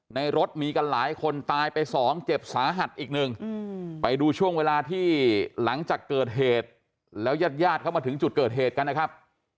ในรถมีกันหลายคนตายไปสองเจ็บสาหัสอีกหนึ่งไปดูช่วงเวลาที่หลังจากเกิดเหตุแล้วยาดเข้ามาถึงจุดเกิดเหตุกันนะครับ